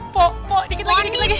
po po dikit lagi dikit lagi